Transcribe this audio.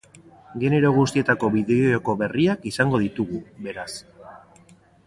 Genero guztietako bideo-joko berriak izango ditugu, beraz.